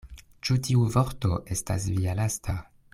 Ĉu tiu vorto estas via lasta?